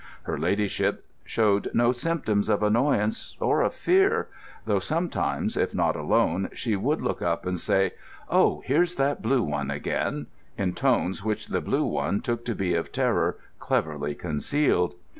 Her Ladyship showed no symptoms of annoyance or of fear, though sometimes, if not alone, she would look up and say, "Oh, here's that blue one again," in tones which the blue one took to be of terror cleverly concealed.